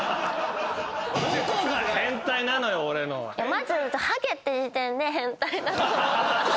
まずハゲてる時点で変態だと。